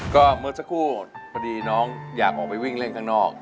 ก็เมื่อสักครู่พอดีน้องอยากออกไปวิ่งเล่นข้างนอก